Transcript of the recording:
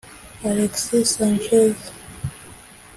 Alexis Sanchez